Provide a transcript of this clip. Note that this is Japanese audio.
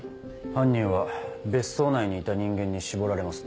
犯人は別荘内にいた人間に絞られますね。